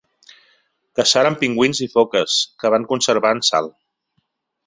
Caçaren pingüins i foques que van conservar en sal.